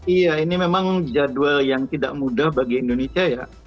iya ini memang jadwal yang tidak mudah bagi indonesia ya